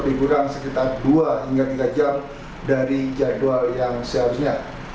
liburan sekitar dua hingga tiga jam dari jadwal yang seharusnya